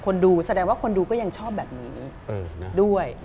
คนดูแสดงว่าคนดูก็ยังชอบแบบนี้ด้วย